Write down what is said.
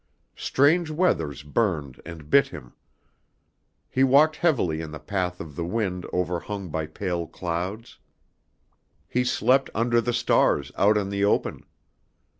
Strange weathers burned and bit him. He walked heavily in the path of the wind overhung by pale clouds. He slept under the stars out in the open.